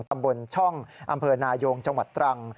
ตำบลช่องอำเภอนายงจังหวัดตรัง